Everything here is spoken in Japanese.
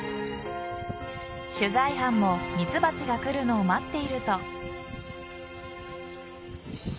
取材班もミツバチが来るのを待っていると。